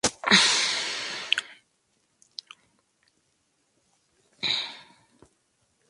Dos formas distintas de competencia deben ser distinguidas: natural y artificial.